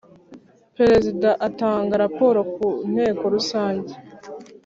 Perezida Atanga raporo ku Nteko Rusange